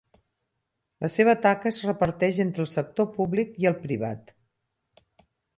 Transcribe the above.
La seva taca es reparteix entre el sector públic i el privat.